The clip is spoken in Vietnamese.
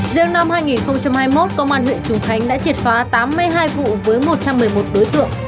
riêng năm hai nghìn hai mươi một công an huyện trùng khánh đã triệt phá tám mươi hai vụ với một trăm một mươi một đối tượng